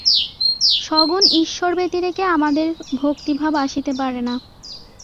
সগুণ ঈশ্বর ব্যতিরেকে আমাদের ভক্তিভাব আসিতে পারে না।